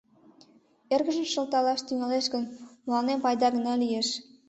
Эргыжым шылталаш тӱҥалеш гын, мыланем пайда гына лиеш.